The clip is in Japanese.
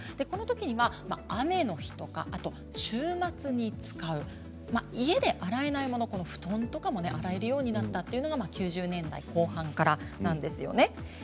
このときに雨の日とか週末に使う家で洗えないもの、布団とかも洗えるようになったというのが９０年代後半からなんですよね。